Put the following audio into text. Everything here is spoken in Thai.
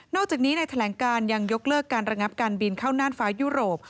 อกจากนี้ในแถลงการยังยกเลิกการระงับการบินเข้าน่านฟ้ายุโรป